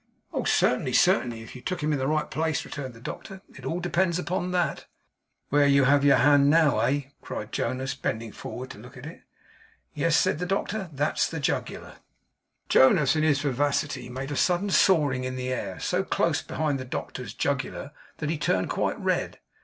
'Oh certainly, certainly, if you took him in the right place,' returned the doctor. 'It all depends upon that.' 'Where you have your hand now, hey?' cried Jonas, bending forward to look at it. 'Yes,' said the doctor; 'that's the jugular.' Jonas, in his vivacity, made a sudden sawing in the air, so close behind the doctor's jugular that he turned quite red.